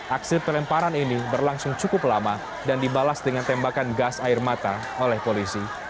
aksi pelemparan ini berlangsung cukup lama dan dibalas dengan tembakan gas air mata oleh polisi